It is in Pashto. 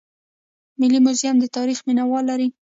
ملي موزیم د تاریخ مینه وال لري